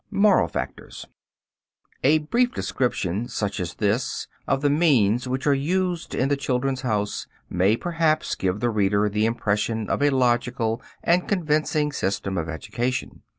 MORAL FACTORS A brief description such as this, of the means which are used in the "Children's House," may perhaps give the reader the impression of a logical and convincing system of education.